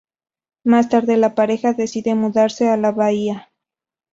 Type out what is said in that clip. Más tarde la pareja decide mudarse a la bahía.